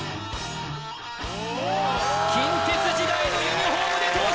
近鉄時代のユニフォームで登場！